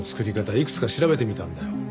いくつか調べてみたんだよ。